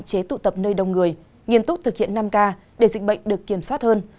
chúng tôi hạn chế tụ tập nơi đông người nghiêm túc thực hiện năm k để dịch bệnh được kiểm soát hơn